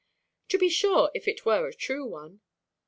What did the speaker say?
"To be sure—if it were a true one.